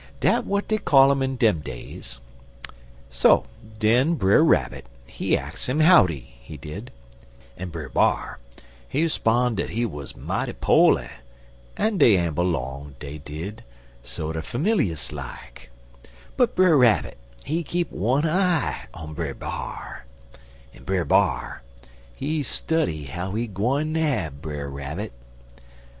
Dat w'at dey call um in dem days. So den Brer Rabbit, he ax him howdy, he did, en Brer B'ar, he 'spon' dat he wuz mighty po'ly, en dey amble 'long, dey did, sorter familious like, but Brer Rabbit, he keep one eye on Brer B'ar, en Brer B'ar, he study how he gwine nab Brer Rabbit.